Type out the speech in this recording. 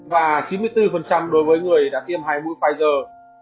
và chín mươi bốn đối với người đã tiêm hai mũi pfizer